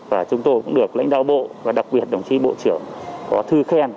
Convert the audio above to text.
và chúng tôi cũng được lãnh đạo bộ và đặc biệt đồng chí bộ trưởng có thư khen